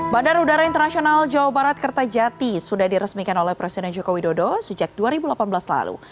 bandara udara internasional jawa barat kertajati sudah diresmikan oleh presiden joko widodo sejak dua ribu delapan belas lalu